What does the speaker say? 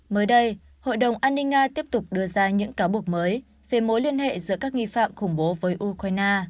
mới đây hội đồng an ninh nga tiếp tục đưa ra những cáo buộc mới về mối liên hệ giữa các nghi phạm khủng bố với ukraine